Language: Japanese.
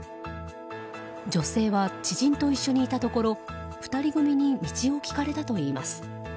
女性は知人と一緒にいたところ２人組に道を聞かれたといいます。